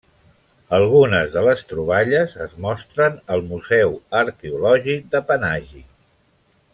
Algunes de les troballes es mostren al Museu Arqueològic de Panaji.